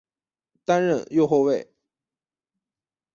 担任右后卫。